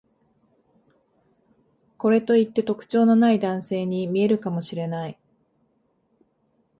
これといって特徴のない男性に見えるかもしれない